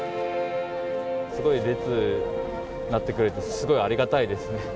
すごい列になってくれて、すごいありがたいですね。